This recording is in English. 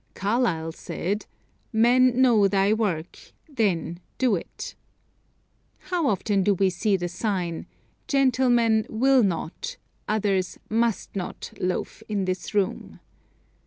Carlyle said, "Man know thy work, then do it." How often do we see the sign: "Gentlemen WILL not; OTHERS MUST NOT loaf in this room."